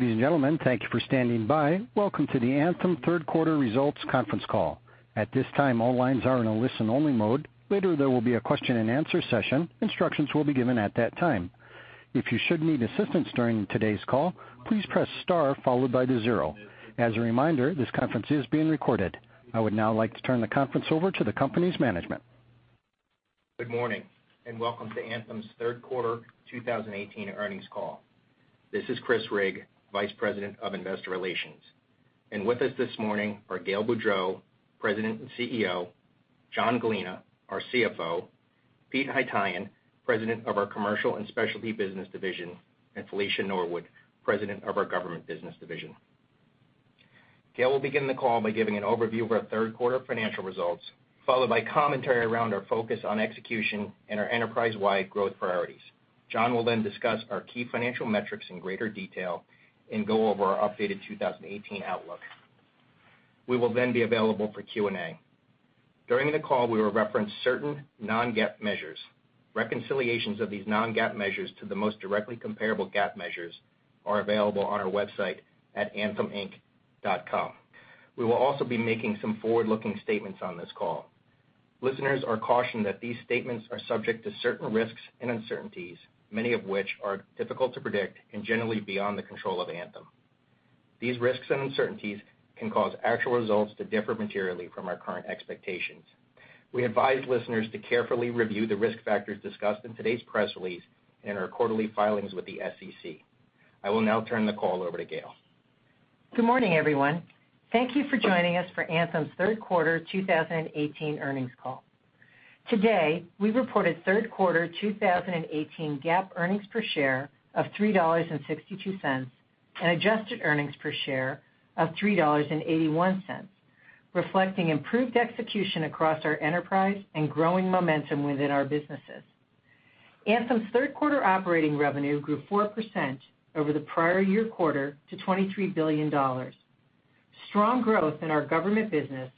Ladies and gentlemen, thank you for standing by. Welcome to the Anthem Third Quarter Results Conference Call. At this time, all lines are in a listen-only mode. Later, there will be a question and answer session. Instructions will be given at that time. If you should need assistance during today's call, please press star followed by the 0. As a reminder, this conference is being recorded. I would now like to turn the conference over to the company's management. Good morning. Welcome to Anthem's third quarter 2018 earnings call. This is Chris Rigg, Vice President of Investor Relations. With us this morning are Gail Boudreaux, President and CEO, John Gallina, our CFO, Pete Haytaian, President of our Commercial and Specialty Business division, and Felicia Norwood, President of our Government Business division. Gail will begin the call by giving an overview of our third quarter financial results, followed by commentary around our focus on execution and our enterprise-wide growth priorities. John will discuss our key financial metrics in greater detail and go over our updated 2018 outlook. We will then be available for Q&A. During the call, we will reference certain non-GAAP measures. Reconciliations of these non-GAAP measures to the most directly comparable GAAP measures are available on our website at antheminc.com. We will also be making some forward-looking statements on this call. Listeners are cautioned that these statements are subject to certain risks and uncertainties, many of which are difficult to predict and generally beyond the control of Anthem. These risks and uncertainties can cause actual results to differ materially from our current expectations. We advise listeners to carefully review the risk factors discussed in today's press release and our quarterly filings with the SEC. I will now turn the call over to Gail. Good morning, everyone. Thank you for joining us for Anthem's third quarter 2018 earnings call. Today, we reported third quarter 2018 GAAP earnings per share of $3.62. Adjusted earnings per share of $3.81, reflecting improved execution across our enterprise and growing momentum within our businesses. Anthem's third quarter operating revenue grew 4% over the prior year quarter to $23 billion. Strong growth in our government business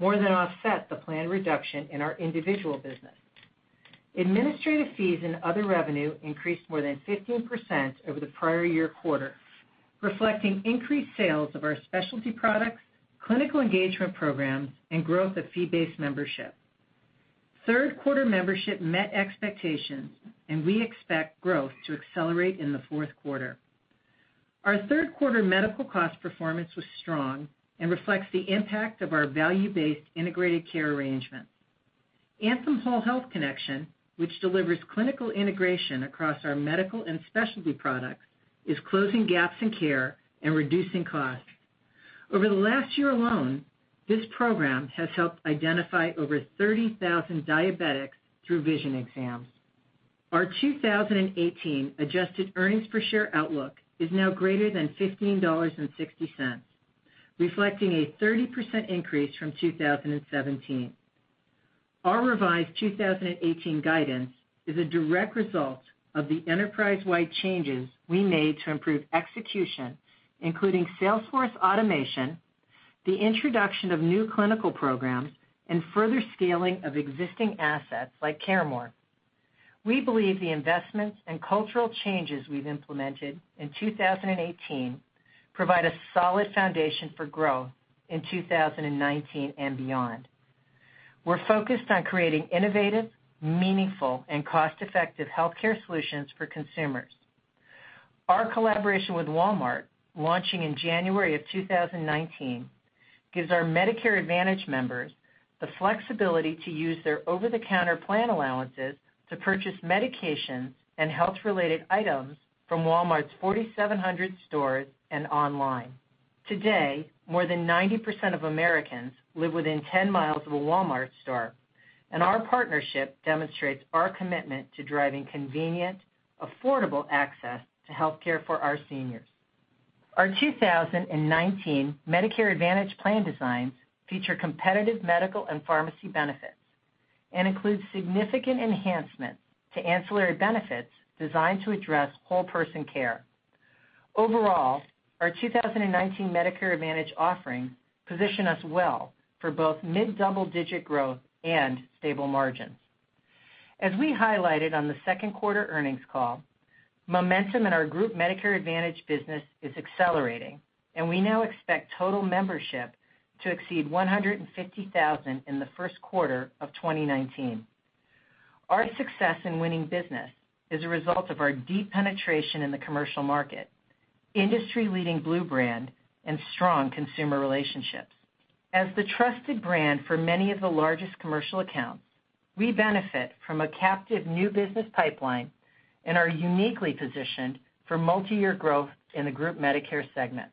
more than offset the planned reduction in our individual business. Administrative fees and other revenue increased more than 15% over the prior year quarter, reflecting increased sales of our specialty products, clinical engagement programs, and growth of fee-based membership. Third quarter membership met expectations. We expect growth to accelerate in the fourth quarter. Our third quarter medical cost performance was strong and reflects the impact of our value-based integrated care arrangements. Anthem Whole Health Connection, which delivers clinical integration across our medical and specialty products, is closing gaps in care and reducing costs. Over the last year alone, this program has helped identify over 30,000 diabetics through vision exams. Our 2018 adjusted earnings per share outlook is now greater than $15.60, reflecting a 30% increase from 2017. Our revised 2018 guidance is a direct result of the enterprise-wide changes we made to improve execution, including sales force automation, the introduction of new clinical programs, and further scaling of existing assets like CareMore. We believe the investments and cultural changes we've implemented in 2018 provide a solid foundation for growth in 2019 and beyond. We're focused on creating innovative, meaningful, and cost-effective healthcare solutions for consumers. Our collaboration with Walmart, launching in January of 2019, gives our Medicare Advantage members the flexibility to use their over-the-counter plan allowances to purchase medications and health-related items from Walmart's 4,700 stores and online. Today, more than 90% of Americans live within 10 miles of a Walmart store. Our partnership demonstrates our commitment to driving convenient, affordable access to healthcare for our seniors. Our 2019 Medicare Advantage plan designs feature competitive medical and pharmacy benefits and include significant enhancements to ancillary benefits designed to address whole person care. Overall, our 2019 Medicare Advantage offerings position us well for both mid double-digit growth and stable margins. We highlighted on the second quarter earnings call, momentum in our group Medicare Advantage business is accelerating, and we now expect total membership to exceed 150,000 in the first quarter of 2019. Our success in winning business is a result of our deep penetration in the commercial market, industry-leading Blue brand, and strong consumer relationships. The trusted brand for many of the largest commercial accounts, we benefit from a captive new business pipeline and are uniquely positioned for multiyear growth in the group Medicare segment.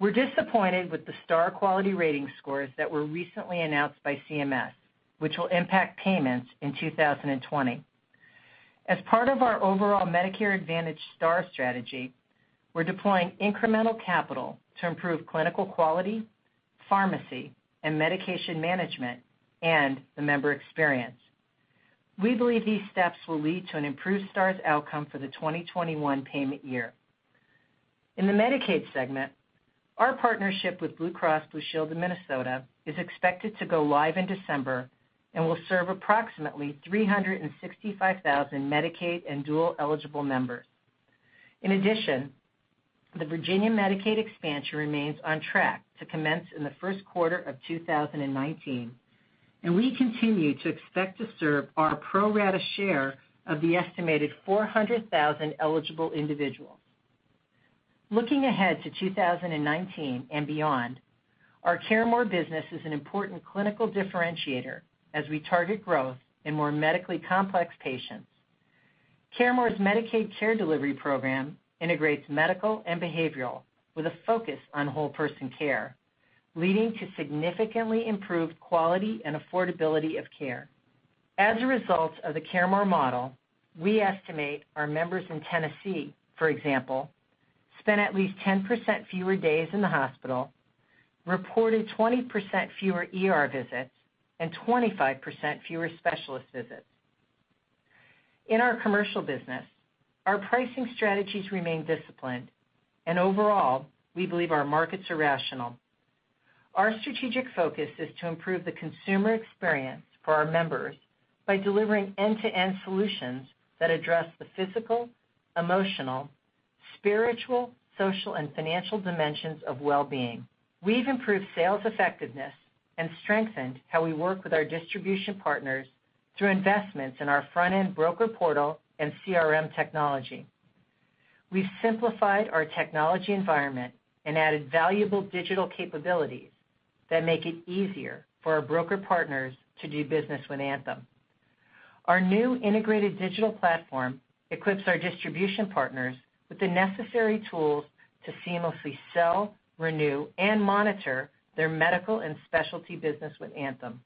We're disappointed with the Star quality rating scores that were recently announced by CMS, which will impact payments in 2020. Part of our overall Medicare Advantage Star strategy, we're deploying incremental capital to improve clinical quality, pharmacy, and medication management, and the member experience. We believe these steps will lead to an improved Stars outcome for the 2021 payment year. In the Medicaid segment. Our partnership with Blue Cross Blue Shield in Minnesota is expected to go live in December and will serve approximately 365,000 Medicaid and dual-eligible members. The Virginia Medicaid expansion remains on track to commence in the first quarter of 2019. We continue to expect to serve our pro rata share of the estimated 400,000 eligible individuals. Looking ahead to 2019 and beyond, our CareMore business is an important clinical differentiator as we target growth in more medically complex patients. CareMore's Medicaid care delivery program integrates medical and behavioral with a focus on whole person care, leading to significantly improved quality and affordability of care. A result of the CareMore model, we estimate our members in Tennessee, for example, spent at least 10% fewer days in the hospital, reported 20% fewer ER visits, and 25% fewer specialist visits. In our commercial business, our pricing strategies remain disciplined. Overall, we believe our markets are rational. Our strategic focus is to improve the consumer experience for our members by delivering end-to-end solutions that address the physical, emotional, spiritual, social, and financial dimensions of wellbeing. We've improved sales effectiveness and strengthened how we work with our distribution partners through investments in our front-end broker portal and CRM technology. We've simplified our technology environment and added valuable digital capabilities that make it easier for our broker partners to do business with Anthem. Our new integrated digital platform equips our distribution partners with the necessary tools to seamlessly sell, renew, and monitor their medical and specialty business with Anthem.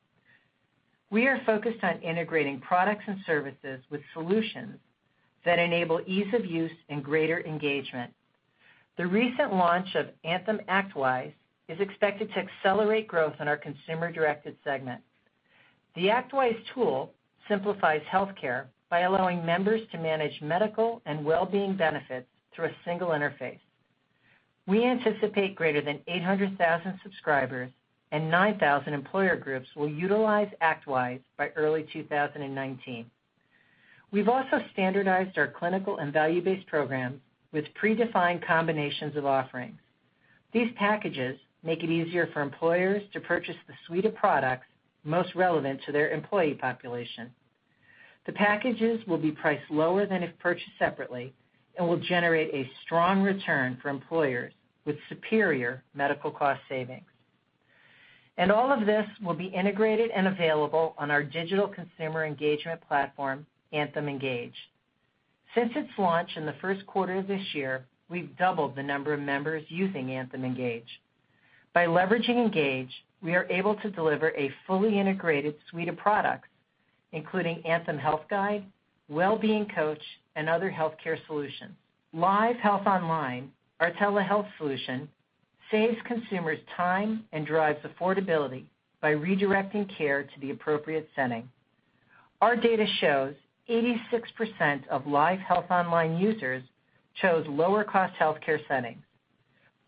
We are focused on integrating products and services with solutions that enable ease of use and greater engagement. The recent launch of Anthem ActWise is expected to accelerate growth in our consumer-directed segment. The ActWise tool simplifies healthcare by allowing members to manage medical and wellbeing benefits through a single interface. We anticipate greater than 800,000 subscribers and 9,000 employer groups will utilize ActWise by early 2019. We've also standardized our clinical and value-based programs with predefined combinations of offerings. These packages make it easier for employers to purchase the suite of products most relevant to their employee population. The packages will be priced lower than if purchased separately and will generate a strong return for employers with superior medical cost savings. All of this will be integrated and available on our digital consumer engagement platform, Anthem Engage. Since its launch in the first quarter of this year, we've doubled the number of members using Anthem Engage. By leveraging Engage, we are able to deliver a fully integrated suite of products, including Anthem Health Guide, Wellbeing Coach, and other healthcare solutions. LiveHealth Online, our telehealth solution, saves consumers time and drives affordability by redirecting care to the appropriate setting. Our data shows 86% of LiveHealth Online users chose lower cost healthcare settings,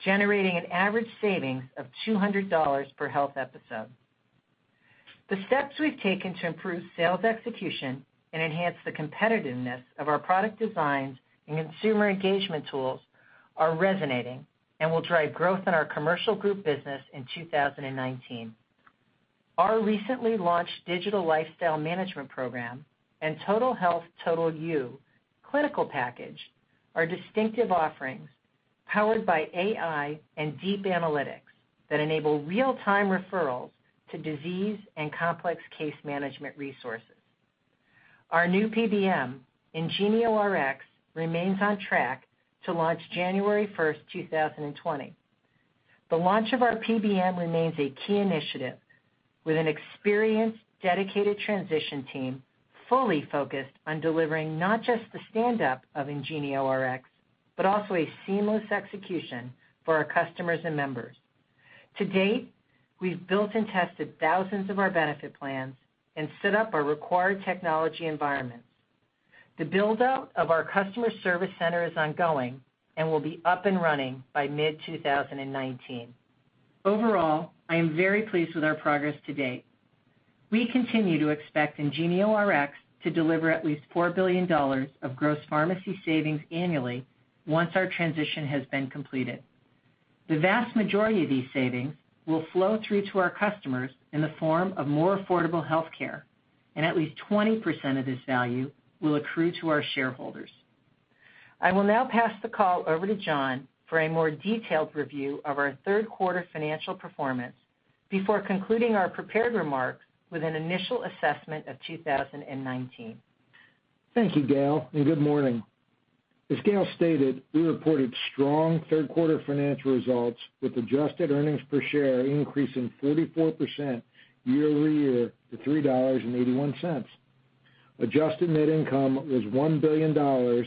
generating an average savings of $200 per health episode. The steps we've taken to improve sales execution and enhance the competitiveness of our product designs and consumer engagement tools are resonating and will drive growth in our commercial group business in 2019. Our recently launched digital lifestyle management program and Total Health, Total You clinical package are distinctive offerings powered by AI and deep analytics that enable real-time referrals to disease and complex case management resources. Our new PBM, IngenioRx, remains on track to launch January 1st, 2020. The launch of our PBM remains a key initiative with an experienced, dedicated transition team fully focused on delivering not just the stand-up of IngenioRx, but also a seamless execution for our customers and members. To date, we've built and tested thousands of our benefit plans and set up our required technology environments. The build-out of our customer service center is ongoing and will be up and running by mid-2019. Overall, I am very pleased with our progress to date. We continue to expect IngenioRx to deliver at least $4 billion of gross pharmacy savings annually once our transition has been completed. The vast majority of these savings will flow through to our customers in the form of more affordable healthcare, and at least 20% of this value will accrue to our shareholders. I will now pass the call over to John Gallina for a more detailed review of our third quarter financial performance before concluding our prepared remarks with an initial assessment of 2019. Thank you, Gail, and good morning. As Gail stated, we reported strong third quarter financial results with adjusted earnings per share increasing 44% year-over-year to $3.81. Adjusted net income was $1 billion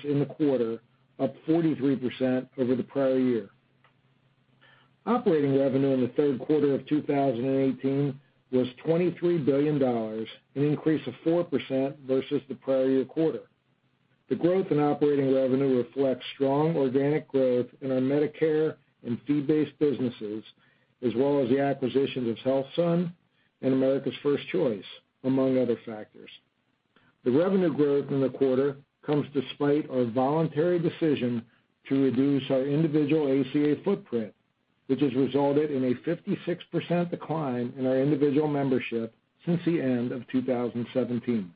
in the quarter, up 43% over the prior year. Operating revenue in the third quarter of 2018 was $23 billion, an increase of 4% versus the prior year quarter. The growth in operating revenue reflects strong organic growth in our Medicare and fee-based businesses, as well as the acquisitions of HealthSun and America's 1st Choice, among other factors. The revenue growth in the quarter comes despite our voluntary decision to reduce our individual ACA footprint, which has resulted in a 56% decline in our individual membership since the end of 2017.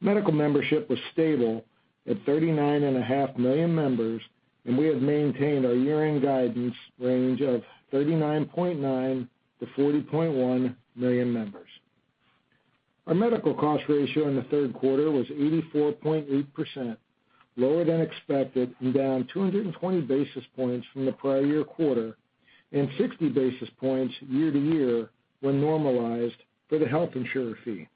Medical membership was stable at 39.5 million members, and we have maintained our year-end guidance range of 39.9 million-40.1 million members. Our medical cost ratio in the third quarter was 84.8%, lower than expected and down 220 basis points from the prior year quarter, and 60 basis points year-to-year when normalized for the Health Insurer Fee.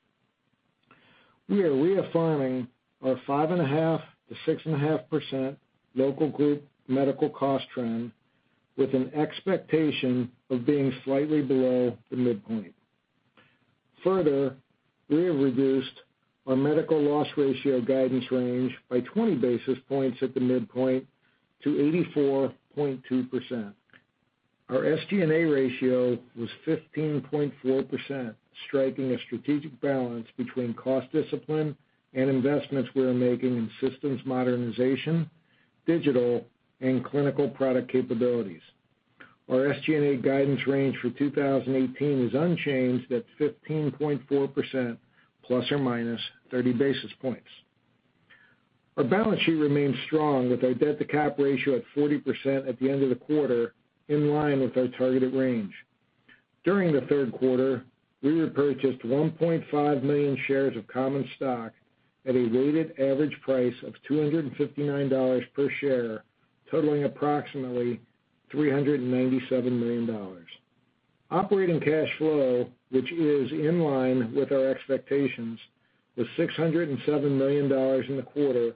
We are reaffirming our 5.5%-6.5% local group medical cost trend with an expectation of being slightly below the midpoint. Further, we have reduced our medical loss ratio guidance range by 20 basis points at the midpoint to 84.2%. Our SG&A ratio was 15.4%, striking a strategic balance between cost discipline and investments we are making in systems modernization, digital, and clinical product capabilities. Our SG&A guidance range for 2018 is unchanged at 15.4% ±30 basis points. Our balance sheet remains strong with our debt-to-cap ratio at 40% at the end of the quarter, in line with our targeted range. During the third quarter, we repurchased 1.5 million shares of common stock at a weighted average price of $259 per share, totaling approximately $397 million. Operating cash flow, which is in line with our expectations, was $607 million in the quarter,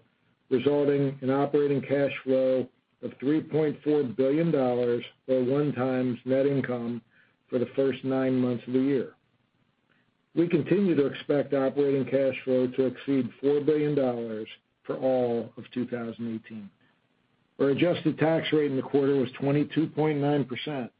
resulting in operating cash flow of $3.4 billion, or one times net income for the first nine months of the year. We continue to expect operating cash flow to exceed $4 billion for all of 2018. Our adjusted tax rate in the quarter was 22.9%.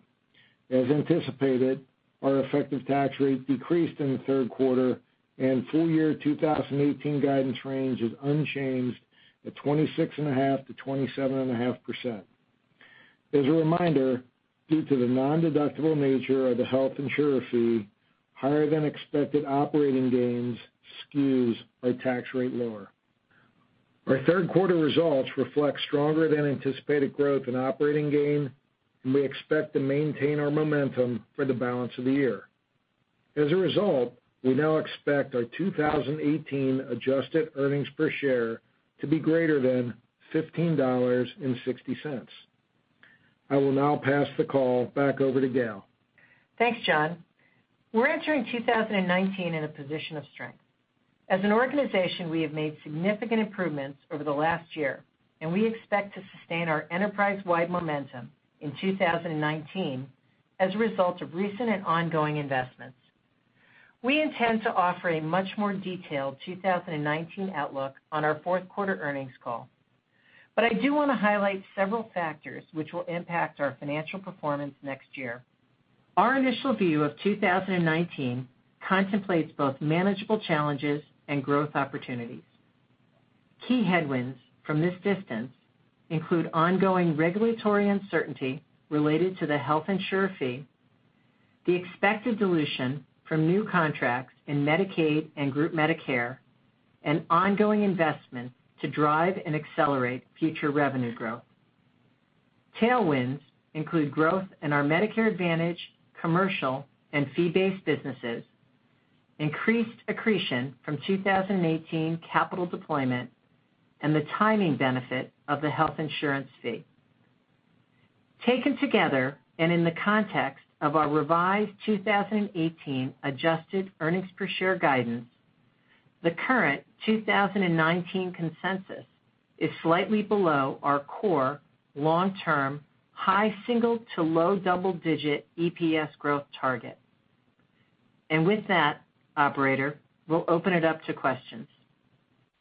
As anticipated, our effective tax rate decreased in the third quarter, and full-year 2018 guidance range is unchanged at 26.5%-27.5%. As a reminder, due to the non-deductible nature of the Health Insurer Fee, higher-than-expected operating gains skews our tax rate lower. Our third quarter results reflect stronger than anticipated growth and operating gain. We expect to maintain our momentum for the balance of the year. As a result, we now expect our 2018 adjusted earnings per share to be greater than $15.60. I will now pass the call back over to Gail. Thanks, John. We're entering 2019 in a position of strength. As an organization, we have made significant improvements over the last year. We expect to sustain our enterprise-wide momentum in 2019 as a result of recent and ongoing investments. We intend to offer a much more detailed 2019 outlook on our fourth quarter earnings call. I do want to highlight several factors which will impact our financial performance next year. Our initial view of 2019 contemplates both manageable challenges and growth opportunities. Key headwinds from this distance include ongoing regulatory uncertainty related to the Health Insurer Fee, the expected dilution from new contracts in Medicaid and group Medicare, and ongoing investments to drive and accelerate future revenue growth. Tailwinds include growth in our Medicare Advantage, commercial, and fee-based businesses, increased accretion from 2018 capital deployment, and the timing benefit of the Health Insurer Fee. Taken together, in the context of our revised 2018 adjusted earnings per share guidance, the current 2019 consensus is slightly below our core long-term high single to low double-digit EPS growth target. With that, operator, we'll open it up to questions.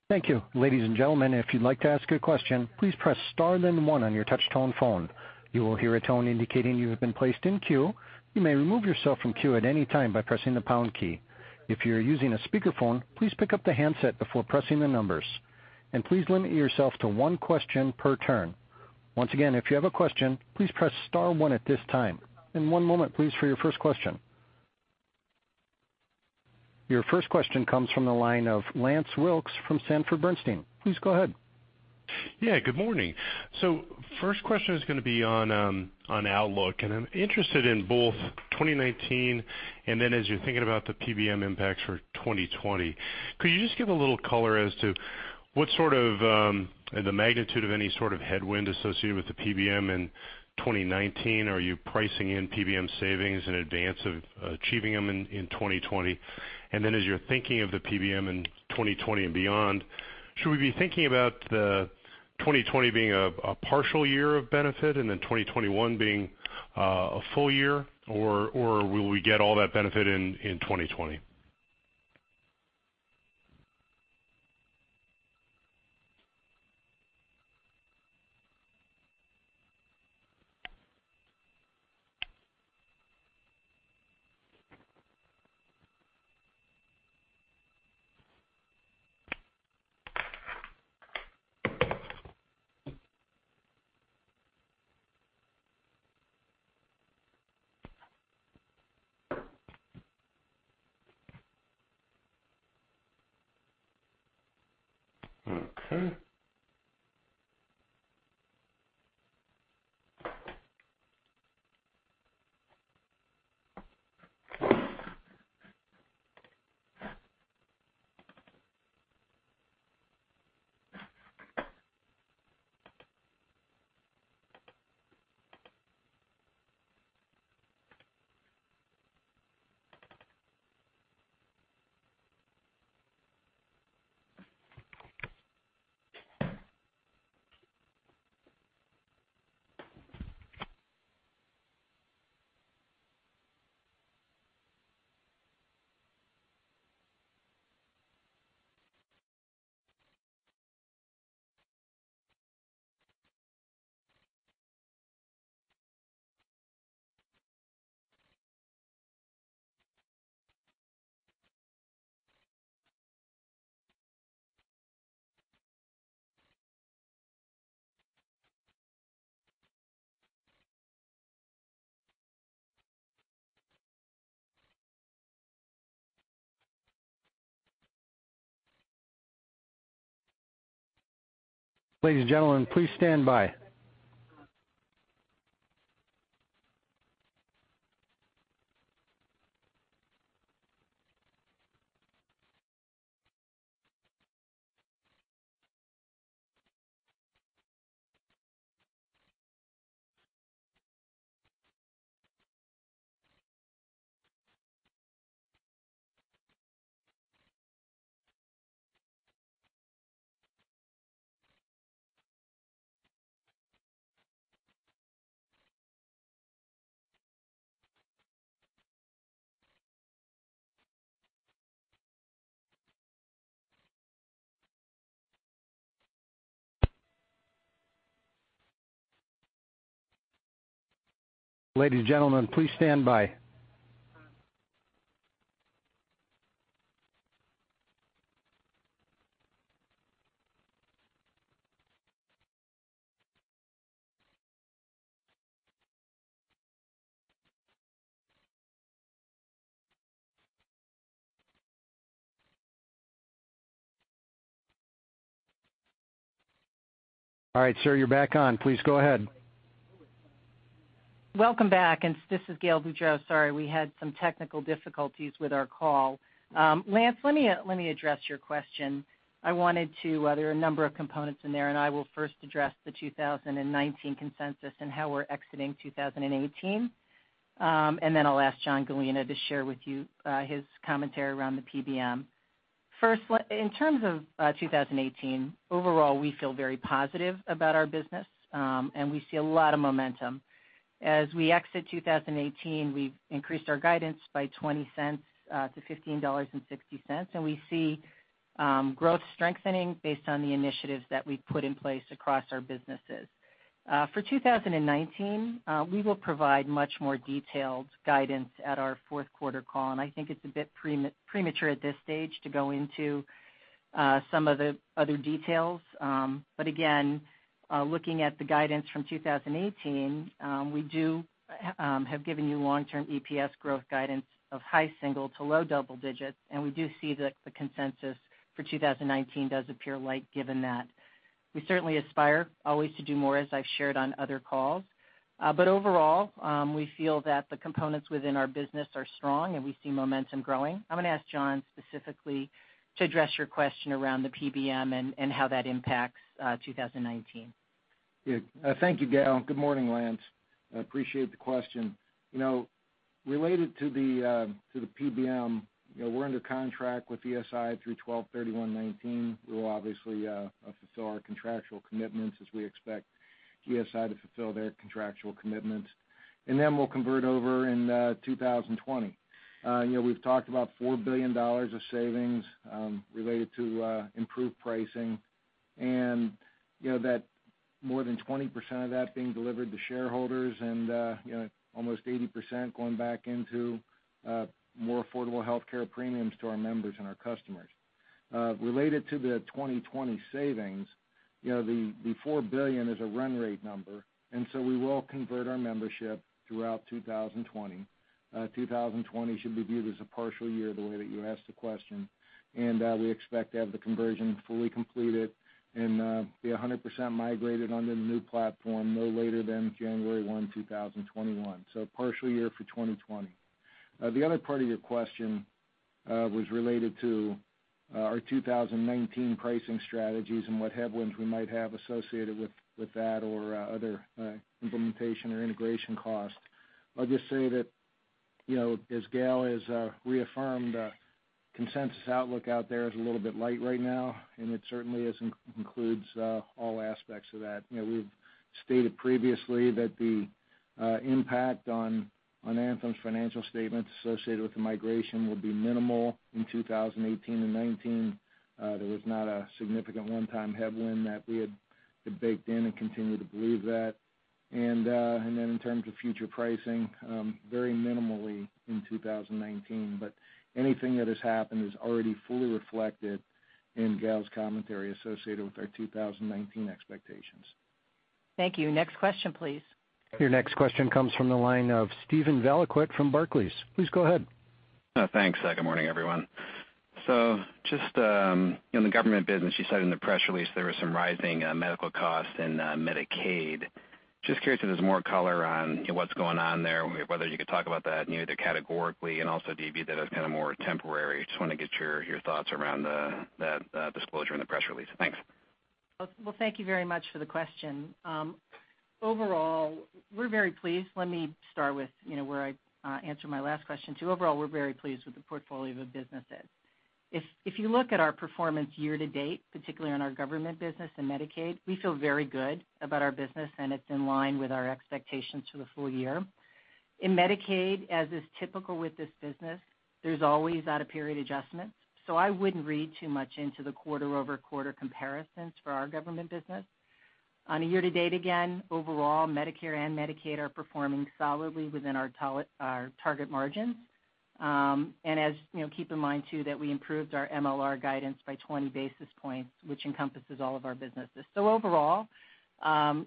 Thank you. Ladies and gentlemen, if you'd like to ask a question, please press star then one on your touch tone phone. You will hear a tone indicating you have been placed in queue. You may remove yourself from queue at any time by pressing the pound key. If you are using a speakerphone, please pick up the handset before pressing the numbers, and please limit yourself to one question per turn. Once again, if you have a question, please press star one at this time. One moment, please, for your first question. Your first question comes from the line of Lance Wilkes from Sanford Bernstein. Please go ahead. Good morning. First question is going to be on outlook, and I'm interested in both 2019 and then as you're thinking about the PBM impacts for 2020. Could you just give a little color as to what sort of the magnitude of any sort of headwind associated with the PBM in 2019? Are you pricing in PBM savings in advance of achieving them in 2020? And then as you're thinking of the PBM in 2020 and beyond, should we be thinking about the 2020 being a partial year of benefit and then 2021 being a full year, or will we get all that benefit in 2020? Ladies and gentlemen, please stand by. Ladies and gentlemen, please stand by. All right, sir, you're back on. Please go ahead. Welcome back. This is Gail Boudreaux. Sorry, we had some technical difficulties with our call. Lance, let me address your question. There are a number of components in there, and I will first address the 2019 consensus and how we're exiting 2018. Then I'll ask John Gallina to share with you his commentary around the PBM. First, in terms of 2018, overall, we feel very positive about our business, and we see a lot of momentum. As we exit 2018, we've increased our guidance by $0.20 to $15.60, and we see growth strengthening based on the initiatives that we've put in place across our businesses. For 2019, we will provide much more detailed guidance at our fourth quarter call, and I think it's a bit premature at this stage to go into some of the other details. Again, looking at the guidance from 2018, we do have given you long-term EPS growth guidance of high single to low double digits, and we do see the consensus for 2019 does appear light given that. We certainly aspire always to do more, as I've shared on other calls. Overall, we feel that the components within our business are strong, and we see momentum growing. I'm going to ask John specifically to address your question around the PBM and how that impacts 2019. Yeah. Thank you, Gail. Good morning, Lance. I appreciate the question. Related to the PBM, we're under contract with ESI through 12/31/2019. We will obviously fulfill our contractual commitments as we expect ESI to fulfill their contractual commitments. We'll convert over in 2020. We've talked about $4 billion of savings related to improved pricing, more than 20% of that being delivered to shareholders and almost 80% going back into more affordable healthcare premiums to our members and our customers. Related to the 2020 savings, the $4 billion is a run rate number. We will convert our membership throughout 2020. 2020 should be viewed as a partial year, the way that you asked the question. We expect to have the conversion fully completed and be 100% migrated under the new platform no later than January 1, 2021. Partial year for 2020. The other part of your question was related to our 2019 pricing strategies and what headwinds we might have associated with that or other implementation or integration cost. I'll just say that, as Gail has reaffirmed, consensus outlook out there is a little bit light right now. It certainly includes all aspects of that. We've stated previously that the impact on Anthem's financial statements associated with the migration will be minimal in 2018 and 2019. There was not a significant one-time headwind that we had baked in and continue to believe that. Then in terms of future pricing, very minimally in 2019. Anything that has happened is already fully reflected in Gail's commentary associated with our 2019 expectations. Thank you. Next question, please. Your next question comes from the line of Steven Valiquette from Barclays. Please go ahead. Thanks. Good morning, everyone. Just in the government business, you said in the press release there was some rising medical costs and Medicaid. Just curious if there's more color on what's going on there, whether you could talk about that either categorically and also do you view that as kind of more temporary? Just want to get your thoughts around the disclosure in the press release. Thanks. Well, thank you very much for the question. Overall, we're very pleased. Let me start with where I answered my last question too. Overall, we're very pleased with the portfolio of the businesses. If you look at our performance year-to-date, particularly on our government business and Medicaid, we feel very good about our business, and it's in line with our expectations for the full year. In Medicaid, as is typical with this business, there's always out-of-period adjustments. I wouldn't read too much into the quarter-over-quarter comparisons for our government business. On a year-to-date, again, overall, Medicare and Medicaid are performing solidly within our target margins. Keep in mind, too, that we improved our MLR guidance by 20 basis points, which encompasses all of our businesses. Overall,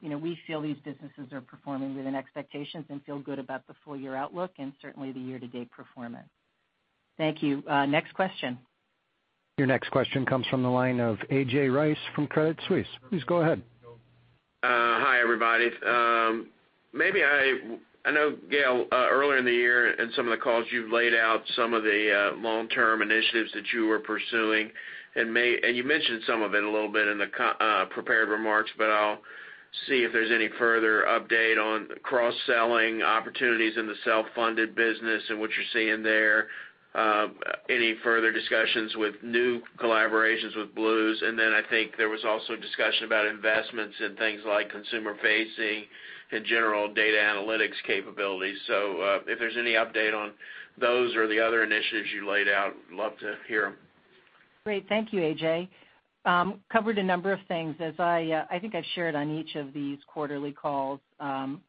we feel these businesses are performing within expectations and feel good about the full-year outlook and certainly the year-to-date performance. Thank you. Next question. Your next question comes from the line of A.J. Rice from Credit Suisse. Please go ahead. Hi, everybody. I know, Gail, earlier in the year in some of the calls, you've laid out some of the long-term initiatives that you were pursuing, and you mentioned some of it a little bit in the prepared remarks, but I'll see if there's any further update on cross-selling opportunities in the self-funded business and what you're seeing there. Any further discussions with new collaborations with Blues? I think there was also discussion about investments in things like consumer-facing and general data analytics capabilities. If there's any update on those or the other initiatives you laid out, love to hear them. Great. Thank you, A.J. Covered a number of things. I think I've shared on each of these quarterly calls,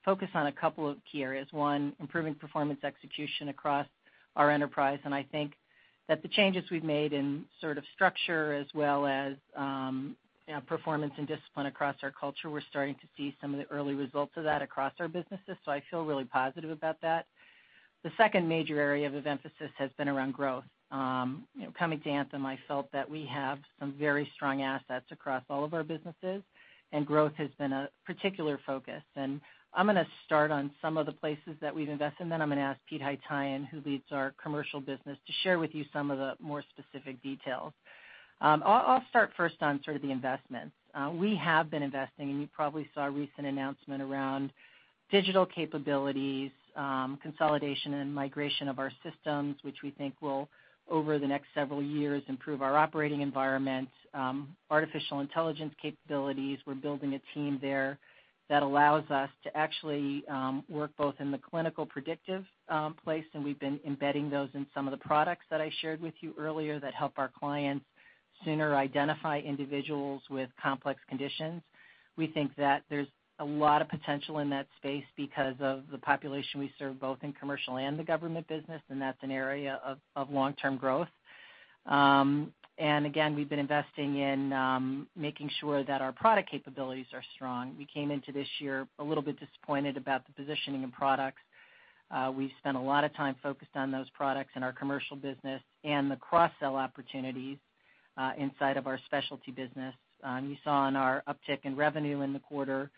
focus on a couple of key areas. One, improving performance execution across our enterprise, and I think that the changes we've made in sort of structure as well as performance and discipline across our culture, we're starting to see some of the early results of that across our businesses, so I feel really positive about that. The second major area of emphasis has been around growth. Coming to Anthem, I felt that we have some very strong assets across all of our businesses, and growth has been a particular focus. I'm going to start on some of the places that we've invested in, I'm going to ask Pete Haytaian, who leads our commercial business, to share with you some of the more specific details. I'll start first on sort of the investments. We have been investing, and you probably saw a recent announcement around digital capabilities, consolidation and migration of our systems, which we think will, over the next several years, improve our operating environment. Artificial intelligence capabilities. We're building a team there that allows us to actually work both in the clinical predictive place, and we've been embedding those in some of the products that I shared with you earlier that help our clients sooner identify individuals with complex conditions. We think that there's a lot of potential in that space because of the population we serve, both in commercial and the government business, and that's an area of long-term growth. Again, we've been investing in making sure that our product capabilities are strong. We came into this year a little bit disappointed about the positioning of products. We've spent a lot of time focused on those products in our commercial business and the cross-sell opportunities inside of our specialty business. You saw in our uptick in revenue in the quarter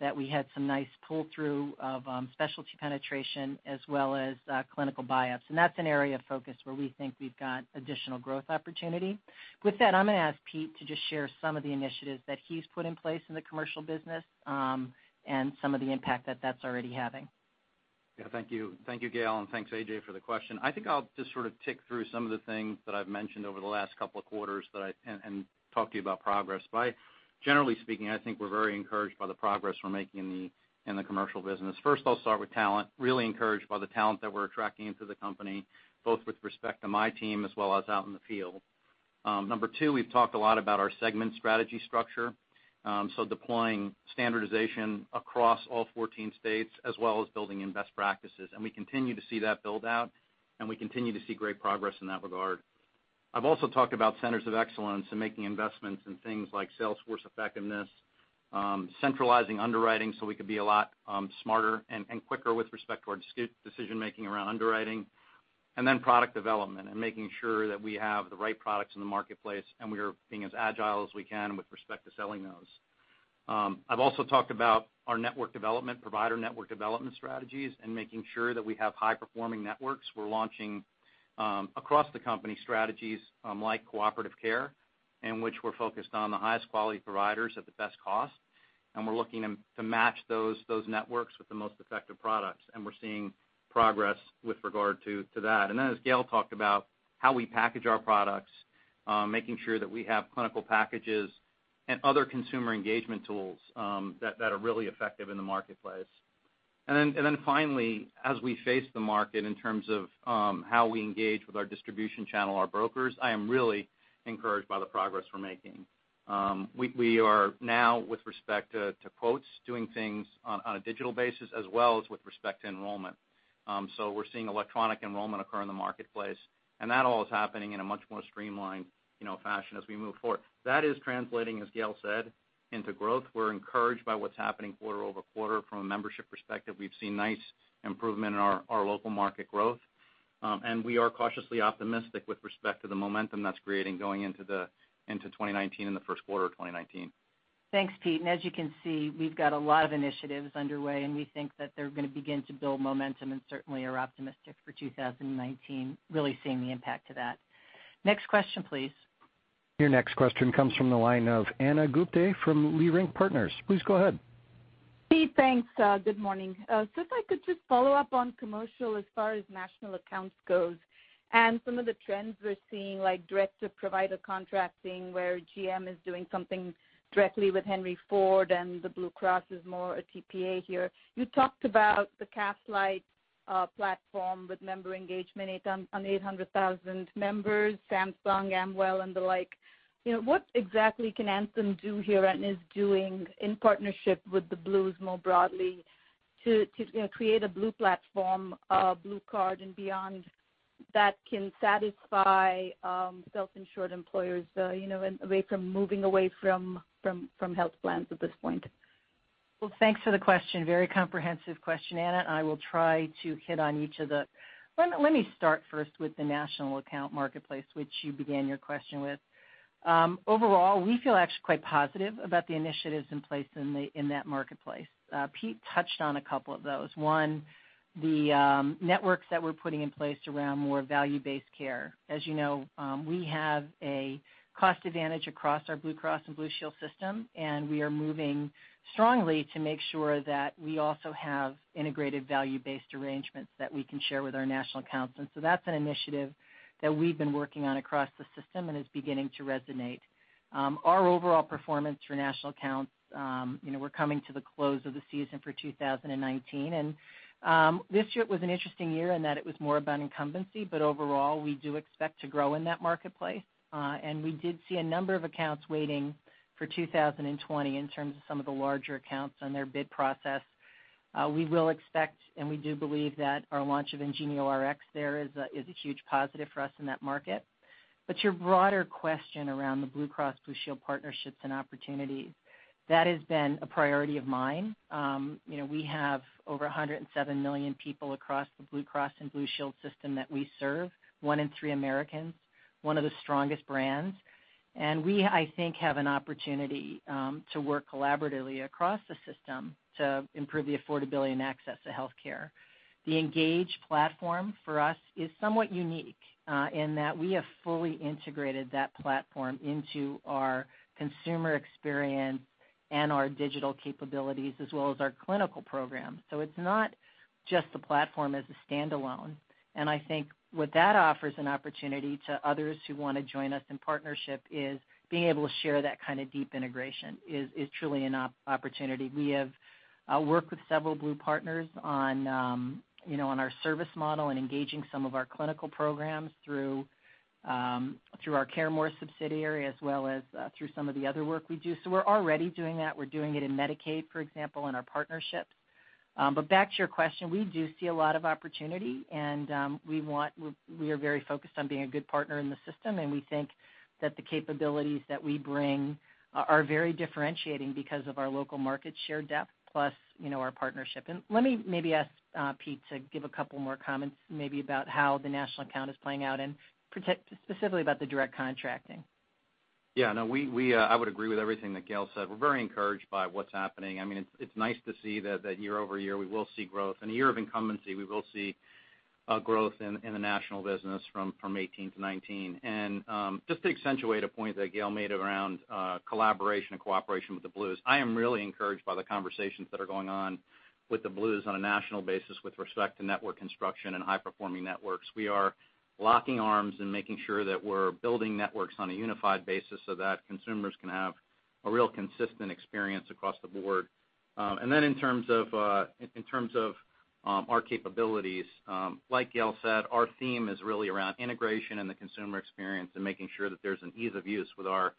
that we had some nice pull-through of specialty penetration as well as clinical buy-ups, and that's an area of focus where we think we've got additional growth opportunity. With that, I'm going to ask Pete to just share some of the initiatives that he's put in place in the commercial business and some of the impact that that's already having. Thank you. Thank you, Gail, and thanks, A.J., for the question. I think I'll just sort of tick through some of the things that I've mentioned over the last couple of quarters and talk to you about progress. Generally speaking, I think we're very encouraged by the progress we're making in the commercial business. First, I'll start with talent. Really encouraged by the talent that we're attracting into the company, both with respect to my team as well as out in the field. Number 2, we've talked a lot about our segment strategy structure, so deploying standardization across all 14 states as well as building in best practices, and we continue to see that build out, and we continue to see great progress in that regard. I've also talked about centers of excellence and making investments in things like salesforce effectiveness, centralizing underwriting so we could be a lot smarter and quicker with respect to our decision-making around underwriting, and then product development and making sure that we have the right products in the marketplace and we are being as agile as we can with respect to selling those. I've also talked about our network development, provider network development strategies, and making sure that we have high-performing networks. We're launching across-the-company strategies like Cooperative Care, in which we're focused on the highest quality providers at the best cost, and we're looking to match those networks with the most effective products, and we're seeing progress with regard to that. As Gail talked about how we package our products, making sure that we have clinical packages and other consumer engagement tools that are really effective in the marketplace. Finally, as we face the market in terms of how we engage with our distribution channel, our brokers, I am really encouraged by the progress we're making. We are now, with respect to quotes, doing things on a digital basis as well as with respect to enrollment. We're seeing electronic enrollment occur in the marketplace, and that all is happening in a much more streamlined fashion as we move forward. That is translating, as Gail said, into growth. We're encouraged by what's happening quarter-over-quarter from a membership perspective. We've seen nice improvement in our local market growth. We are cautiously optimistic with respect to the momentum that's creating going into 2019, in the first quarter of 2019. Thanks, Pete. As you can see, we've got a lot of initiatives underway, we think that they're going to begin to build momentum and certainly are optimistic for 2019, really seeing the impact of that. Next question, please. Your next question comes from the line of Ana Gupte from Leerink Partners. Please go ahead. Pete, thanks. Good morning. If I could just follow up on commercial as far as national accounts goes and some of the trends we're seeing, like direct-to-provider contracting, where GM is doing something directly with Henry Ford and the Blue Cross is more a TPA here. You talked about the Castlight platform with member engagement on 800,000 members, Samsung, Amwell and the like. What exactly can Anthem do here and is doing in partnership with the Blues more broadly to create a Blue platform, a BlueCard and beyond that can satisfy self-insured employers away from moving away from health plans at this point? Well, thanks for the question. Very comprehensive question, Ana. Let me start first with the national account marketplace, which you began your question with. Overall, we feel actually quite positive about the initiatives in place in that marketplace. Pete touched on a couple of those. One, the networks that we're putting in place around more value-based care. As you know, we have a cost advantage across our Blue Cross Blue Shield system, we are moving strongly to make sure that we also have integrated value-based arrangements that we can share with our national accounts. That's an initiative that we've been working on across the system and is beginning to resonate. Our overall performance for national accounts, we're coming to the close of the season for 2019, and this year was an interesting year in that it was more about incumbency, but overall, we do expect to grow in that marketplace. We did see a number of accounts waiting for 2020 in terms of some of the larger accounts and their bid process. We will expect, and we do believe that our launch of IngenioRx there is a huge positive for us in that market. Your broader question around the Blue Cross Blue Shield partnerships and opportunities, that has been a priority of mine. We have over 107 million people across the Blue Cross and Blue Shield system that we serve, one in three Americans, one of the strongest brands. We, I think, have an opportunity to work collaboratively across the system to improve the affordability and access to healthcare. The Engage platform for us is somewhat unique in that we have fully integrated that platform into our consumer experience and our digital capabilities as well as our clinical programs. It's not just the platform as a standalone. I think what that offers an opportunity to others who want to join us in partnership is being able to share that kind of deep integration is truly an opportunity. We have worked with several Blue partners on our service model and engaging some of our clinical programs through our CareMore subsidiary as well as through some of the other work we do. We're already doing that. We're doing it in Medicaid, for example, in our partnerships. Back to your question, we do see a lot of opportunity, and we are very focused on being a good partner in the system, and we think that the capabilities that we bring are very differentiating because of our local market share depth plus our partnership. Let me maybe ask Pete to give a couple more comments maybe about how the national account is playing out and specifically about the direct contracting. Yeah. No, I would agree with everything that Gail said. We're very encouraged by what's happening. It's nice to see that year-over-year, we will see growth. In a year of incumbency, we will see growth in the national business from 2018 to 2019. Just to accentuate a point that Gail made around collaboration and cooperation with the Blues, I am really encouraged by the conversations that are going on with the Blues on a national basis with respect to network construction and high-performing networks. We are locking arms and making sure that we're building networks on a unified basis so that consumers can have a real consistent experience across the board. In terms of our capabilities, like Gail said, our theme is really around integration and the consumer experience and making sure that there's an ease of use with our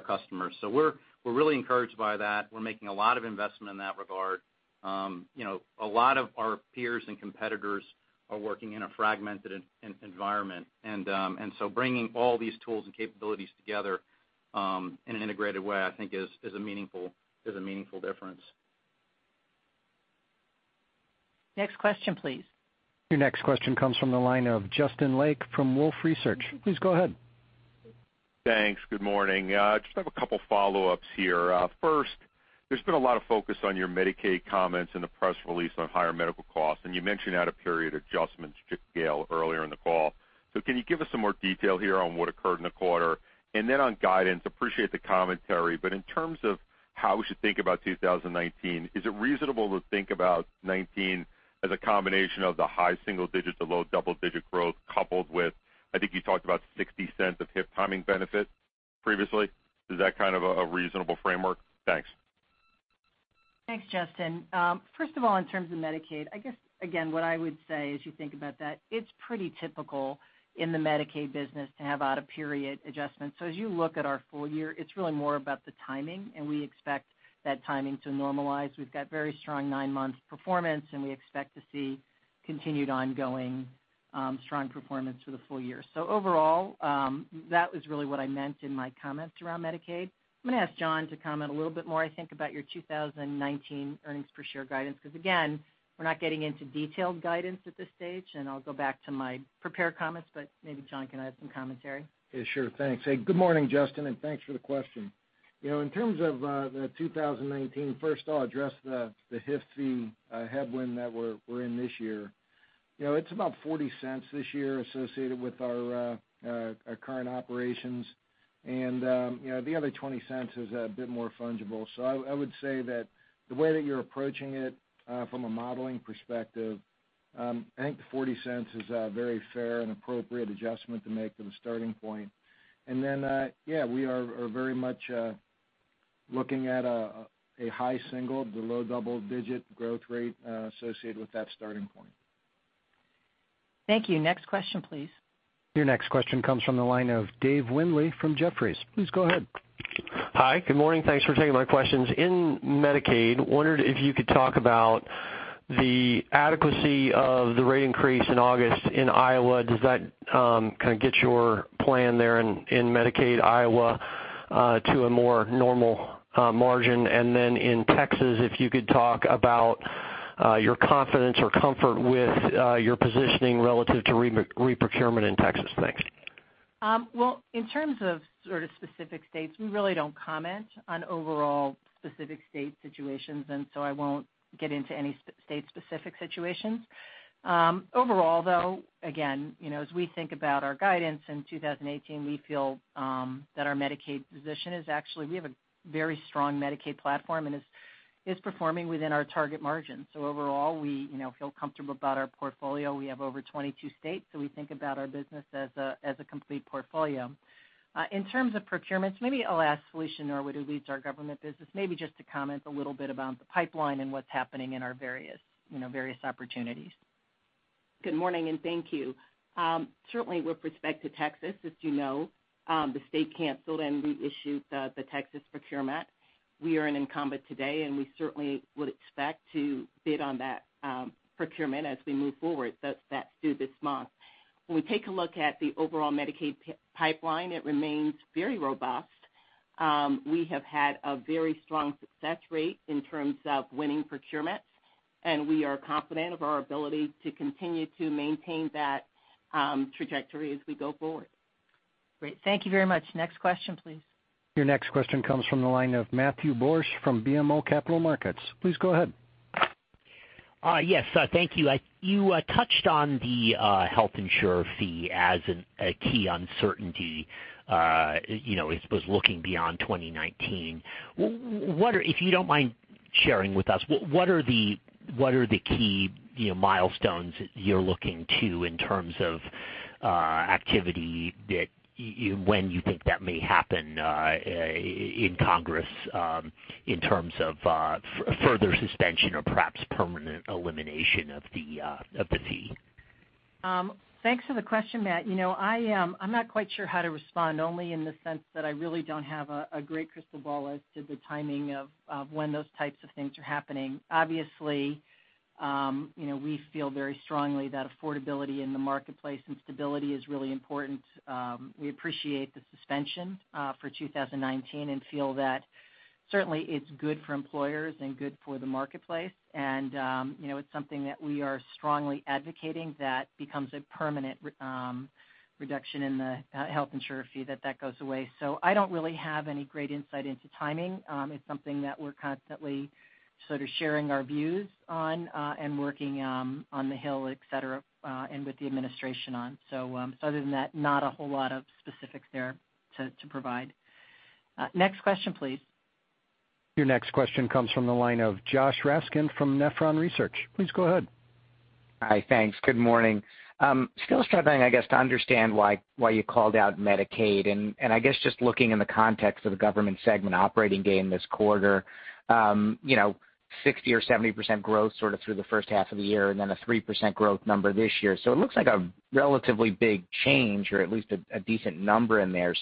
customers. We're really encouraged by that. We're making a lot of investment in that regard. A lot of our peers and competitors are working in a fragmented environment, and so bringing all these tools and capabilities together in an integrated way, I think is a meaningful difference. Next question, please. Your next question comes from the line of Justin Lake from Wolfe Research. Please go ahead. Thanks. Good morning. Just have a couple follow-ups here. First, there's been a lot of focus on your Medicaid comments in the press release on higher medical costs, and you mentioned out-of-period adjustments, Gail, earlier in the call. Can you give us some more detail here on what occurred in the quarter? On guidance, appreciate the commentary, but in terms of how we should think about 2019, is it reasonable to think about 2019 as a combination of the high single digits or low double-digit growth coupled with, I think you talked about $0.60 of HIF timing benefit? Previously? Is that kind of a reasonable framework? Thanks. Thanks, Justin. First of all, in terms of Medicaid, I guess again, what I would say as you think about that, it's pretty typical in the Medicaid business to have out-of-period adjustments. As you look at our full year, it's really more about the timing, and we expect that timing to normalize. We've got very strong nine-month performance, and we expect to see continued, ongoing, strong performance for the full year. Overall, that was really what I meant in my comments around Medicaid. I'm going to ask John to comment a little bit more, I think, about your 2019 earnings per share guidance, because again, we're not getting into detailed guidance at this stage, and I'll go back to my prepared comments, but maybe John can add some commentary. Yeah, sure. Thanks. Hey, good morning, Justin, and thanks for the question. In terms of the 2019, first I'll address the HIF fee headwind that we're in this year. It's about $0.40 this year associated with our current operations. The other $0.20 is a bit more fungible. I would say that the way that you're approaching it from a modeling perspective, I think the $0.40 is a very fair and appropriate adjustment to make to the starting point. Then, yeah, we are very much looking at a high single- to low double-digit growth rate associated with that starting point. Thank you. Next question, please. Your next question comes from the line of David Windley from Jefferies. Please go ahead. Hi. Good morning. Thanks for taking my questions. In Medicaid, wondered if you could talk about the adequacy of the rate increase in August in Iowa. Does that kind of get your plan there in Medicaid Iowa to a more normal margin? In Texas, if you could talk about your confidence or comfort with your positioning relative to re-procurement in Texas. Thanks. Well, in terms of sort of specific states, we really don't comment on overall specific state situations. I won't get into any state-specific situations. Overall, though, again, as we think about our guidance in 2018, we feel that our Medicaid position. We have a very strong Medicaid platform, and it's performing within our target margin. Overall, we feel comfortable about our portfolio. We have over 22 states. We think about our business as a complete portfolio. In terms of procurements, maybe I'll ask Felicia Norwood, who leads our government business, maybe just to comment a little bit about the pipeline and what's happening in our various opportunities. Good morning, and thank you. Certainly with respect to Texas, as you know, the state canceled and reissued the Texas procurement. We are an incumbent today, and we certainly would expect to bid on that procurement as we move forward. That's due this month. When we take a look at the overall Medicaid pipeline, it remains very robust. We have had a very strong success rate in terms of winning procurements, and we are confident of our ability to continue to maintain that trajectory as we go forward. Great. Thank you very much. Next question, please. Your next question comes from the line of Matthew Borsch from BMO Capital Markets. Please go ahead. Yes. Thank you. You touched on the Health Insurer Fee as a key uncertainty, I suppose, looking beyond 2019. If you don't mind sharing with us, what are the key milestones you're looking to in terms of activity that when you think that may happen in Congress in terms of further suspension or perhaps permanent elimination of the fee? Thanks for the question, Matt. I'm not quite sure how to respond, only in the sense that I really don't have a great crystal ball as to the timing of when those types of things are happening. Obviously, we feel very strongly that affordability in the marketplace and stability is really important. We appreciate the suspension for 2019 and feel that certainly it's good for employers and good for the marketplace, and it's something that we are strongly advocating that becomes a permanent reduction in the Health Insurer Fee, that that goes away. I don't really have any great insight into timing. It's something that we're constantly sort of sharing our views on and working on the Hill, et cetera, and with the administration on. Other than that, not a whole lot of specifics there to provide. Next question, please. Your next question comes from the line of Joshua Raskin from Nephron Research. Please go ahead. Hi, thanks. Good morning. Still struggling, I guess, to understand why you called out Medicaid, I guess just looking in the context of the government segment operating gain this quarter, 60% or 70% growth sort of through the first half of the year then a 3% growth number this year. It looks like a relatively big change or at least a decent number in there.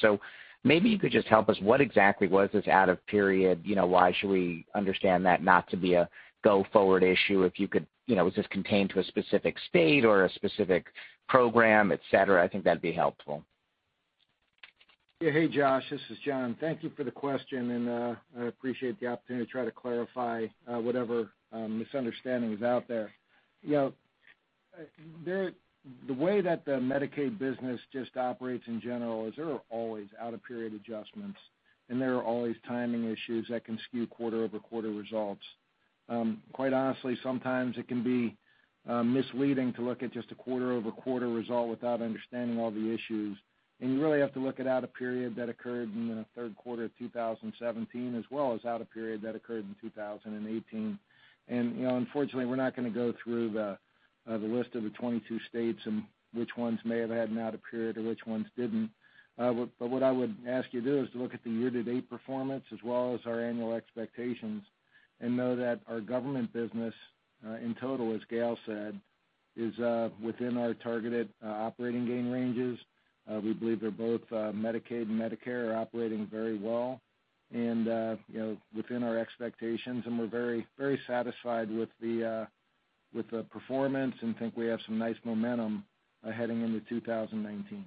Maybe you could just help us, what exactly was this out-of-period? Why should we understand that not to be a go-forward issue? Was this contained to a specific state or a specific program, et cetera? I think that'd be helpful. Hey, Josh, this is John. Thank you for the question. I appreciate the opportunity to try to clarify whatever misunderstanding is out there. The way that the Medicaid business just operates in general is there are always out-of-period adjustments, there are always timing issues that can skew quarter-over-quarter results. Quite honestly, sometimes it can be misleading to look at just a quarter-over-quarter result without understanding all the issues. You really have to look at out a period that occurred in the third quarter of 2017, as well as out a period that occurred in 2018. Unfortunately, we're not going to go through the list of the 22 states and which ones may have had an out of period or which ones didn't. What I would ask you to do is to look at the year-to-date performance as well as our annual expectations and know that our government business, in total, as Gail said, is within our targeted operating gain ranges. We believe that both Medicaid and Medicare are operating very well and within our expectations, and we're very satisfied with the performance and think we have some nice momentum heading into 2019.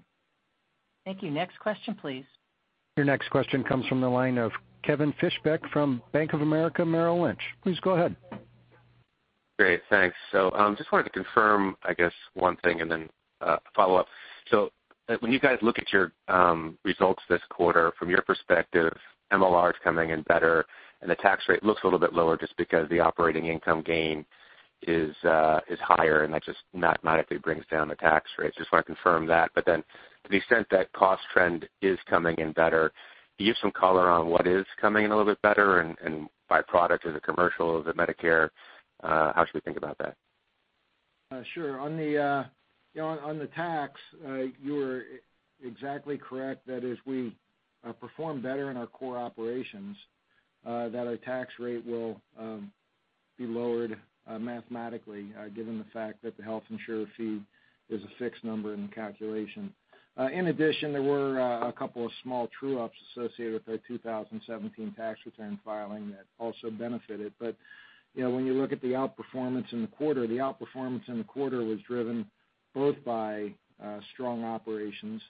Thank you. Next question, please. Your next question comes from the line of Kevin Fischbeck from Bank of America Merrill Lynch. Please go ahead. Great. Thanks. Just wanted to confirm, I guess one thing and then follow up. When you guys look at your results this quarter, from your perspective, MLR is coming in better and the tax rate looks a little bit lower just because the operating income gain is higher, and that just mathematically brings down the tax rate. Just want to confirm that. To the extent that cost trend is coming in better, can you give some color on what is coming in a little bit better and by product, is it commercial, is it Medicare? How should we think about that? Sure. On the tax, you are exactly correct that as we perform better in our core operations, that our tax rate will be lowered mathematically, given the fact that the Health Insurer Fee is a fixed number in the calculation. In addition, there were a couple of small true-ups associated with the 2017 tax return filing that also benefited. When you look at the outperformance in the quarter, the outperformance in the quarter was driven both by strong operations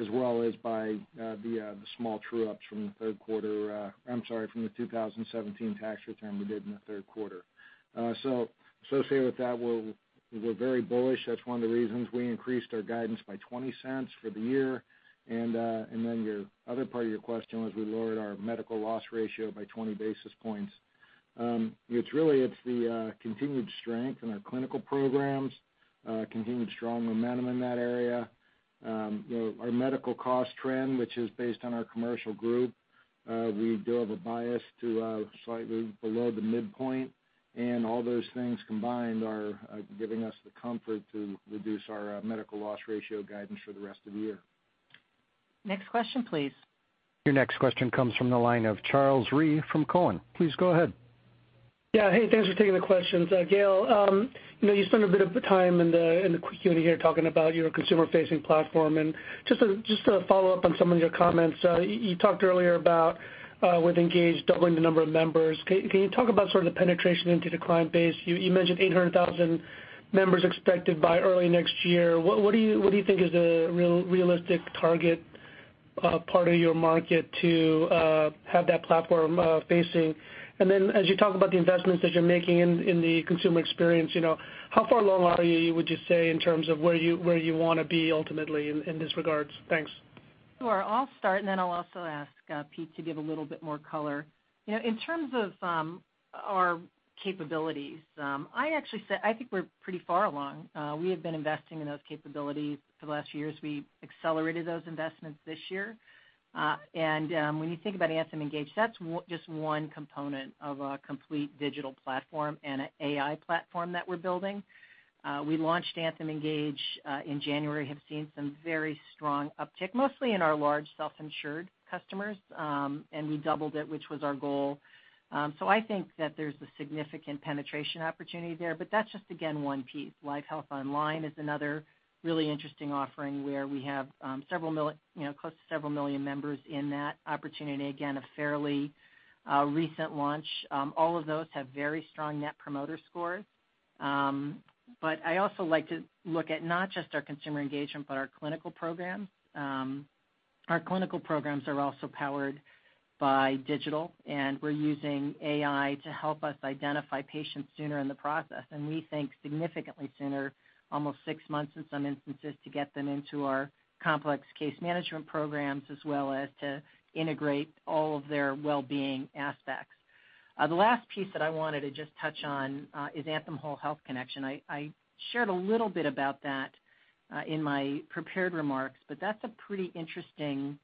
as well as by the small true-ups from the third quarter. I'm sorry, from the 2017 tax return we did in the third quarter. Associated with that, we're very bullish. That's one of the reasons we increased our guidance by $0.20 for the year. Your other part of your question was we lowered our medical loss ratio by 20 basis points. It's really the continued strength in our clinical programs, continued strong momentum in that area. Our medical cost trend, which is based on our commercial group, we do have a bias to slightly below the midpoint, and all those things combined are giving us the comfort to reduce our medical loss ratio guidance for the rest of the year. Next question, please. Your next question comes from the line of Charles Rhyee from Cowen. Please go ahead. Yeah. Hey, thanks for taking the questions. Gail, you spent a bit of time in the community here talking about your consumer-facing platform, just to follow up on some of your comments. You talked earlier about with Engage doubling the number of members. Can you talk about sort of the penetration into the client base? You mentioned 800,000 members expected by early next year. What do you think is a realistic target part of your market to have that platform facing? Then as you talk about the investments that you're making in the consumer experience, how far along are you, would you say, in terms of where you want to be ultimately in this regards? Thanks. Sure. I'll start, and then I'll also ask Pete to give a little bit more color. In terms of our capabilities, I think we're pretty far along. We have been investing in those capabilities for the last years. We accelerated those investments this year. When you think about Anthem Engage, that's just one component of a complete digital platform and an AI platform that we're building. We launched Anthem Engage in January, have seen some very strong uptick, mostly in our large self-insured customers, and we doubled it, which was our goal. I think that there's a significant penetration opportunity there, but that's just, again, one piece. LiveHealth Online is another really interesting offering where we have close to several million members in that opportunity. Again, a fairly recent launch. All of those have very strong net promoter scores. I also like to look at not just our consumer engagement, but our clinical programs. Our clinical programs are also powered by digital, and we're using AI to help us identify patients sooner in the process, and we think significantly sooner, almost six months in some instances, to get them into our complex case management programs, as well as to integrate all of their well-being aspects. The last piece that I wanted to just touch on is Anthem Whole Health Connection. I shared a little bit about that in my prepared remarks, but that's a pretty interesting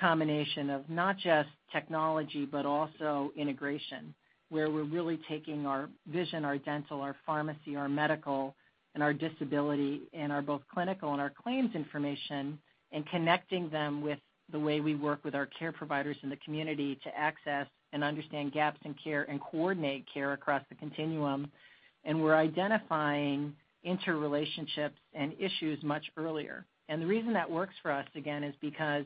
combination of not just technology, but also integration, where we're really taking our vision, our dental, our pharmacy, our medical, and our disability and our both clinical and our claims information and connecting them with the way we work with our care providers in the community to access and understand gaps in care and coordinate care across the continuum. We're identifying interrelationships and issues much earlier. The reason that works for us, again, is because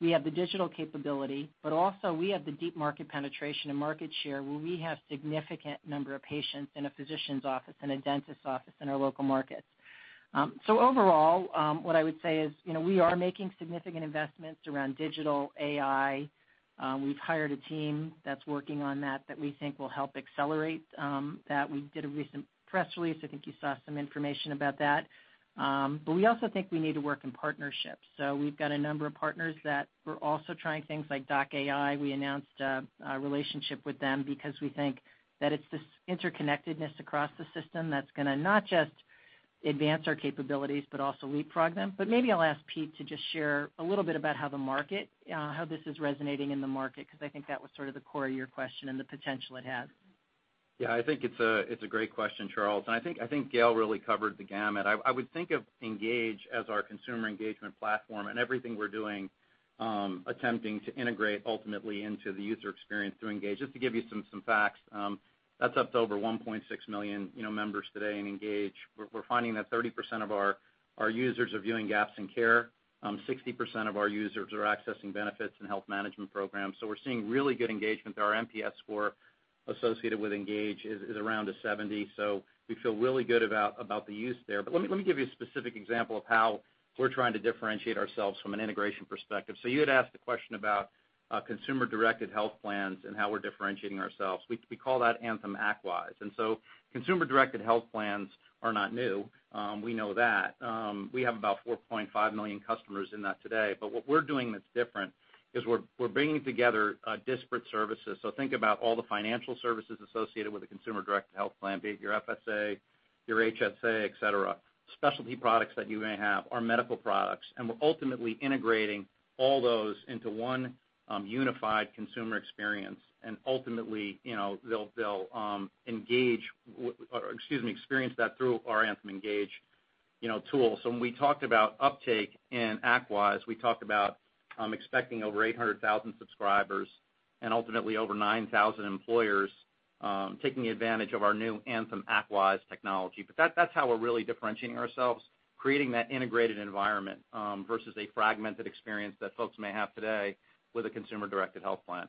we have the digital capability, but also we have the deep market penetration and market share where we have significant number of patients in a physician's office and a dentist's office in our local markets. Overall, what I would say is we are making significant investments around digital AI. We've hired a team that's working on that we think will help accelerate that. We did a recent press release. I think you saw some information about that. We also think we need to work in partnerships. We've got a number of partners that we're also trying things like doc.ai. We announced a relationship with them because we think that it's this interconnectedness across the system that's going to not just advance our capabilities, but also leapfrog them. Maybe I'll ask Pete to just share a little bit about how this is resonating in the market, because I think that was sort of the core of your question and the potential it has. I think it's a great question, Charles. I think Gail really covered the gamut. I would think of Engage as our consumer engagement platform and everything we're doing, attempting to integrate ultimately into the user experience through Engage. Just to give you some facts, that's up to over 1.6 million members today in Engage. We're finding that 30% of our users are viewing gaps in care. 60% of our users are accessing benefits and health management programs. We're seeing really good engagement there. Our NPS score associated with Engage is around a 70. We feel really good about the use there. Let me give you a specific example of how we're trying to differentiate ourselves from an integration perspective. You had asked a question about consumer-directed health plans and how we're differentiating ourselves. We call that Anthem ActWise. Consumer-directed health plans are not new, we know that. We have about 4.5 million customers in that today. What we're doing that's different is we're bringing together disparate services. Think about all the financial services associated with a consumer-directed health plan, be it your FSA, your HSA, et cetera, specialty products that you may have, our medical products, and we're ultimately integrating all those into one unified consumer experience. Ultimately, they'll experience that through our Anthem Engage tool. When we talked about uptake in ActWise, we talked about expecting over 800,000 subscribers and ultimately over 9,000 employers taking advantage of our new Anthem ActWise technology. That's how we're really differentiating ourselves, creating that integrated environment versus a fragmented experience that folks may have today with a consumer-directed health plan.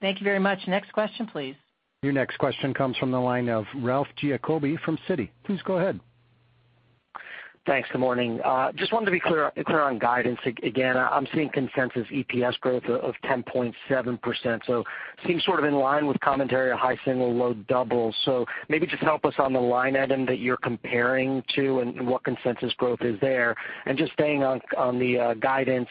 Thank you very much. Your next question comes from the line of Ralph Giacobbe from Citi. Please go ahead. Thanks. Good morning. Just wanted to be clear on guidance again. I'm seeing consensus EPS growth of 10.7%, seems sort of in line with commentary of high single, low double. Just help us on the line item that you're comparing to and what consensus growth is there. Staying on the guidance,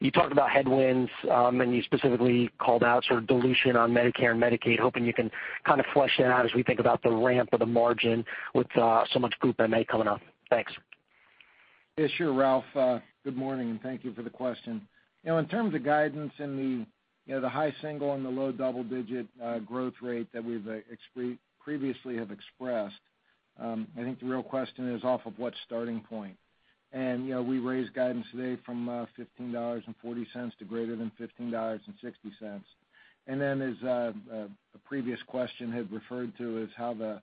you talked about headwinds, and you specifically called out sort of dilution on Medicare and Medicaid. Hoping you can kind of flesh that out as we think about the ramp of the margin with so much Group MA coming up. Thanks. Yeah, sure, Ralph. Good morning, and thank you for the question. In terms of guidance and the high single and the low double digit growth rate that we previously have expressed, I think the real question is off of what starting point. We raised guidance today from $15.40 to greater than $15.60. As a previous question had referred to is how the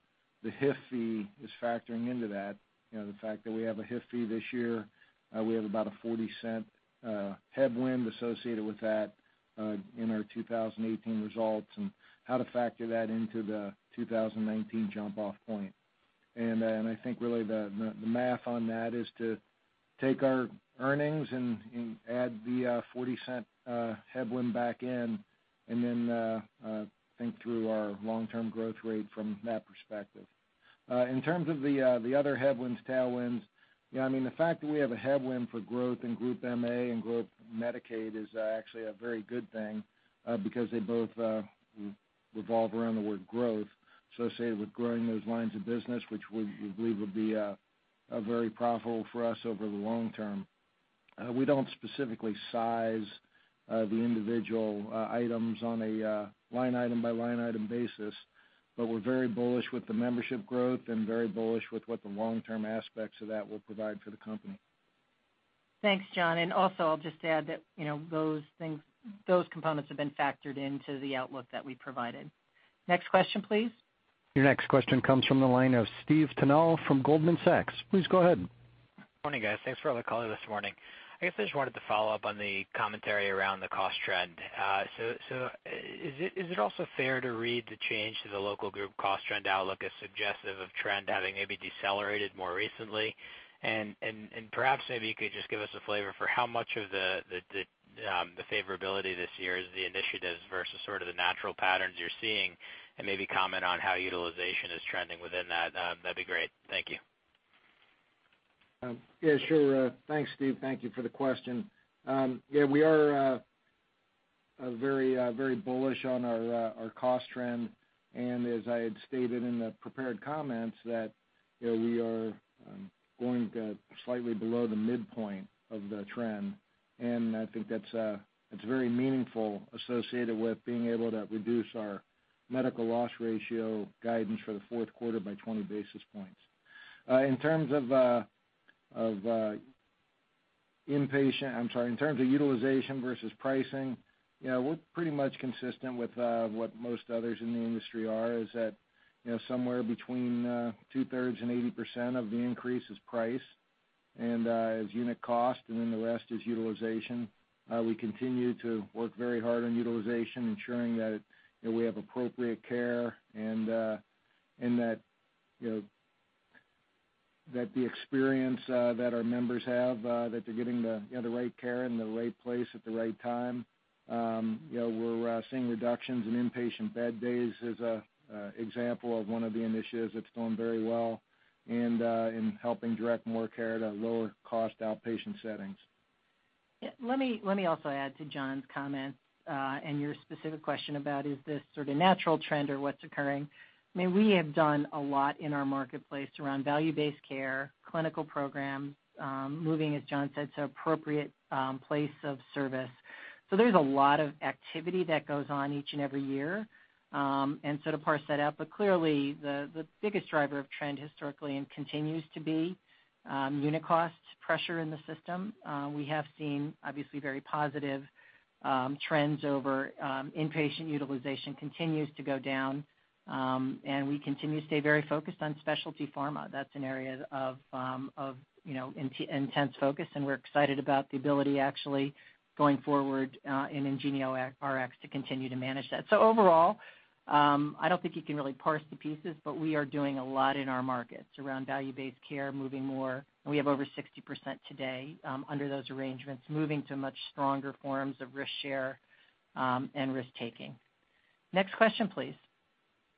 HIF fee is factoring into that. The fact that we have a HIF fee this year, we have about a $0.40 headwind associated with that in our 2018 results and how to factor that into the 2019 jump-off point. I think really the math on that is to take our earnings and add the $0.40 headwind back in, think through our long-term growth rate from that perspective. In terms of the other headwinds, tailwinds, the fact that we have a headwind for growth in Group MA and growth Medicaid is actually a very good thing because they both revolve around the word growth associated with growing those lines of business, which we believe will be very profitable for us over the long term. We don't specifically size the individual items on a line item by line item basis, we're very bullish with the membership growth and very bullish with what the long-term aspects of that will provide for the company. Thanks, John. Also, I'll just add that those components have been factored into the outlook that we provided. Next question, please. Your next question comes from the line of Stephen Tanal from Goldman Sachs. Please go ahead. Morning, guys. Thanks for all the color this morning. Is it also fair to read the change to the local group cost trend outlook as suggestive of trend having maybe decelerated more recently? Perhaps maybe you could just give us a flavor for how much of the favorability this year is the initiatives versus sort of the natural patterns you're seeing, and maybe comment on how utilization is trending within that? That'd be great. Thank you. Sure. Thanks, Steve. Thank you for the question. We are very bullish on our cost trend, as I had stated in the prepared comments that we are going to slightly below the midpoint of the trend, I think that's very meaningful associated with being able to reduce our medical loss ratio guidance for the fourth quarter by 20 basis points. In terms of utilization versus pricing, we're pretty much consistent with what most others in the industry are, is that somewhere between two-thirds and 80% of the increase is price and is unit cost, the rest is utilization. We continue to work very hard on utilization, ensuring that we have appropriate care and that the experience that our members have, that they're getting the right care in the right place at the right time. We're seeing reductions in inpatient bed days as an example of one of the initiatives that's going very well and in helping direct more care to lower cost outpatient settings. Yeah. Let me also add to John's comments, and your specific question about is this sort of natural trend or what's occurring. I mean, we have done a lot in our marketplace around value-based care, clinical programs, moving, as John said, to appropriate place of service. So there's a lot of activity that goes on each and every year, and so to parse that out. But clearly, the biggest driver of trend historically and continues to be unit cost pressure in the system. We have seen obviously very positive trends over inpatient utilization continues to go down, and we continue to stay very focused on specialty pharma. That's an area of intense focus, and we're excited about the ability actually going forward in IngenioRx to continue to manage that. Overall, I don't think you can really parse the pieces, but we are doing a lot in our markets around value-based care, moving more, and we have over 60% today under those arrangements, moving to much stronger forms of risk share and risk-taking. Next question, please.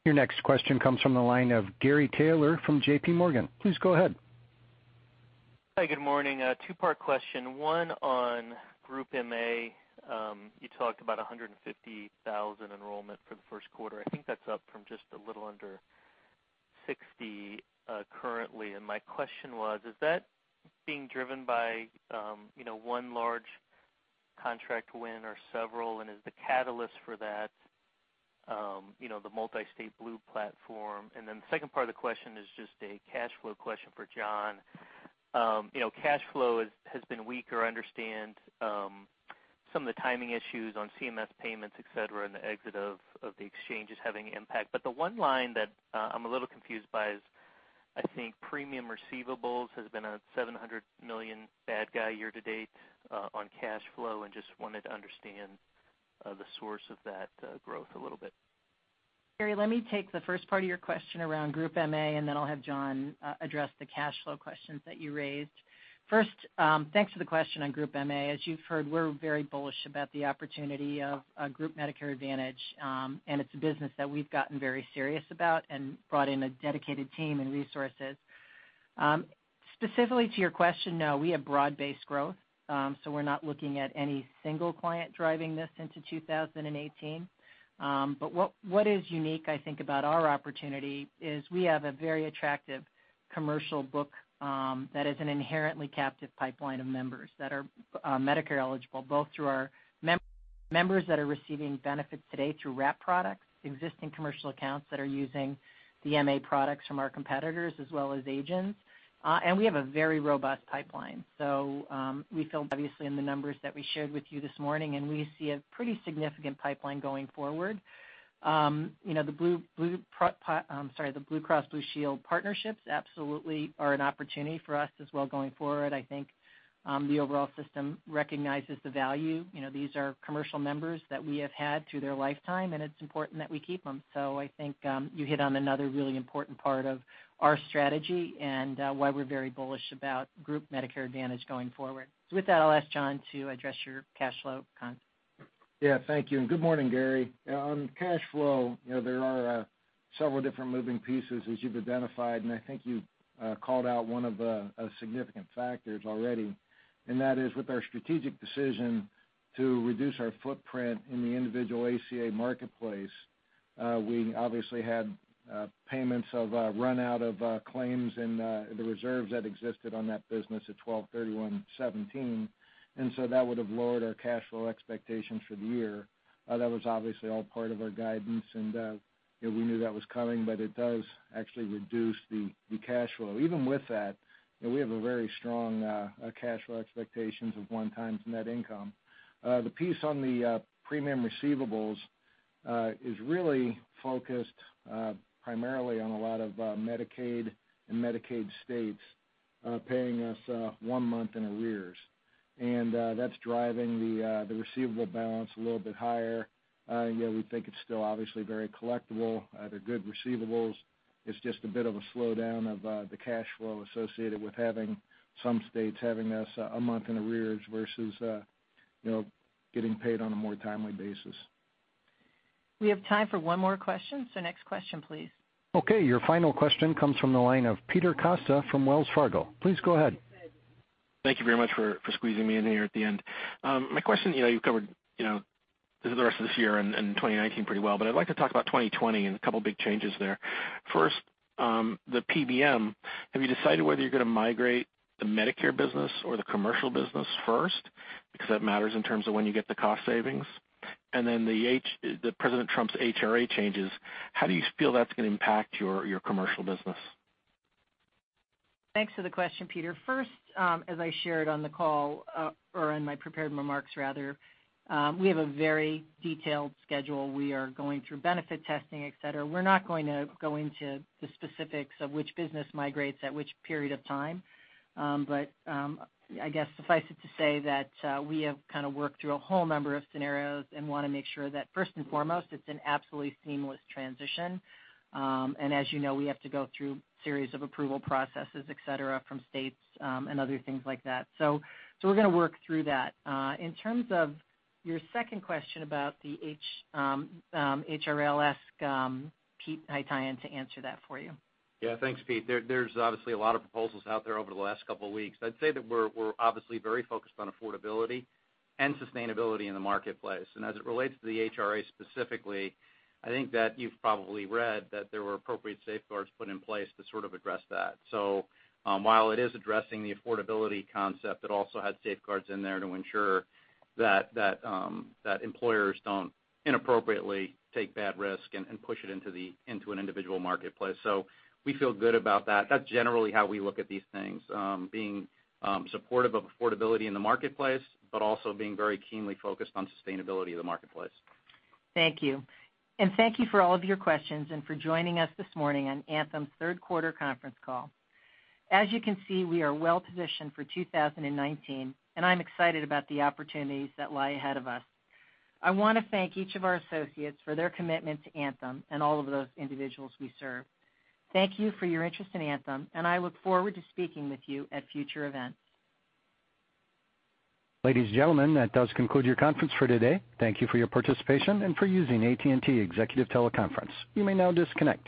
Your next question comes from the line of Gary Taylor from JPMorgan. Please go ahead. Hi, good morning. A two-part question. One on Group MA. You talked about 150,000 enrollment for the first quarter. I think that's up from just a little under 60 currently. My question was, is that being driven by one large contract win or several? Is the catalyst for that the multi-state Blue platform? The second part of the question is just a cash flow question for John. Cash flow has been weaker. I understand some of the timing issues on CMS payments, et cetera, and the exit of the exchanges having impact. But the one line that I'm a little confused by is, I think, premium receivables has been a $700 million bad guy year to date on cash flow, and just wanted to understand the source of that growth a little bit. Gary, let me take the first part of your question around Group MA, then I'll have John address the cash flow questions that you raised. First, thanks for the question on Group MA. As you've heard, we're very bullish about the opportunity of Group Medicare Advantage, and it's a business that we've gotten very serious about and brought in a dedicated team and resources. Specifically to your question, no, we have broad-based growth, so we're not looking at any single client driving this into 2018. What is unique, I think, about our opportunity is we have a very attractive commercial book that is an inherently captive pipeline of members that are Medicare eligible, both through our members that are receiving benefits today through wrap products, existing commercial accounts that are using the MA products from our competitors as well as agents. We have a very robust pipeline. We feel obviously in the numbers that we shared with you this morning, we see a pretty significant pipeline going forward. The Blue Cross Blue Shield partnerships absolutely are an opportunity for us as well going forward. I think the overall system recognizes the value. These are commercial members that we have had through their lifetime, and it's important that we keep them. I think you hit on another really important part of our strategy and why we're very bullish about Group Medicare Advantage going forward. With that, I'll ask John to address your cash flow con. Yeah, thank you, and good morning, Gary. On cash flow, there are several different moving pieces as you've identified, and I think you called out one of the significant factors already, and that is with our strategic decision to reduce our footprint in the individual ACA marketplace. We obviously had payments of a run out of claims and the reserves that existed on that business at 12/31/2017. That would've lowered our cash flow expectations for the year. That was obviously all part of our guidance and we knew that was coming, it does actually reduce the cash flow. Even with that, we have a very strong cash flow expectations of 1 times net income. The piece on the premium receivables is really focused primarily on a lot of Medicaid and Medicaid states paying us one month in arrears. That's driving the receivable balance a little bit higher. Yet we think it's still obviously very collectible. They're good receivables. It's just a bit of a slowdown of the cash flow associated with having some states having us a month in arrears versus getting paid on a more timely basis. We have time for one more question, next question, please. Okay, your final question comes from the line of Peter Costa from Wells Fargo. Please go ahead. Thank you very much for squeezing me in here at the end. My question, you've covered the rest of this year and 2019 pretty well, but I'd like to talk about 2020 and a couple of big changes there. First, the PBM, have you decided whether you're going to migrate the Medicare business or the commercial business first? Because that matters in terms of when you get the cost savings. The President Trump's HRA changes, how do you feel that's going to impact your commercial business? Thanks for the question, Peter. First, as I shared on the call or in my prepared remarks rather, we have a very detailed schedule. We are going through benefit testing, et cetera. We're not going to go into the specifics of which business migrates at which period of time. I guess suffice it to say that we have kind of worked through a whole number of scenarios and want to make sure that first and foremost, it's an absolutely seamless transition. As you know, we have to go through series of approval processes, et cetera, from states, and other things like that. We're going to work through that. In terms of your second question about the HRA, Pete Haytaian to answer that for you. Yeah, thanks, Pete. There's obviously a lot of proposals out there over the last couple of weeks. I'd say that we're obviously very focused on affordability and sustainability in the marketplace. As it relates to the HRA specifically, I think that you've probably read that there were appropriate safeguards put in place to sort of address that. While it is addressing the affordability concept, it also has safeguards in there to ensure that employers don't inappropriately take bad risk and push it into an individual marketplace. We feel good about that. That's generally how we look at these things, being supportive of affordability in the marketplace, but also being very keenly focused on sustainability of the marketplace. Thank you. Thank you for all of your questions and for joining us this morning on Anthem's third quarter conference call. As you can see, we are well-positioned for 2019, and I'm excited about the opportunities that lie ahead of us. I want to thank each of our associates for their commitment to Anthem and all of those individuals we serve. Thank you for your interest in Anthem, and I look forward to speaking with you at future events. Ladies and gentlemen, that does conclude your conference for today. Thank you for your participation and for using AT&T TeleConference Services. You may now disconnect.